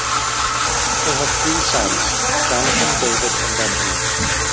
They have three sons: Jonathan, David, and Benjamin.